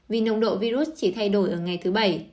vì nồng độ virus chỉ thay đổi ở ngày thứ bảy